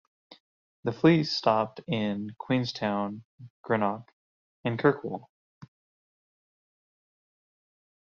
The fleet stopped in Queenstown, Greenock, and Kirkwall.